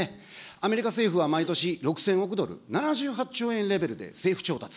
アメリカ政府は毎年、６０００億ドル、７８兆円レベルで、政府調達。